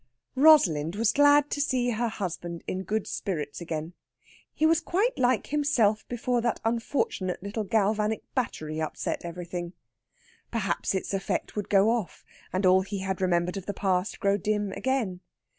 Rosalind was glad to see her husband in good spirits again. He was quite like himself before that unfortunate little galvanic battery upset everything. Perhaps its effect would go off, and all he had remembered of the past grow dim again.